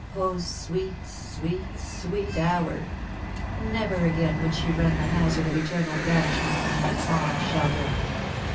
0, sweet, sweet, sweet hour ! never again would she run the hazard ot eternal banishment from that fond shelter.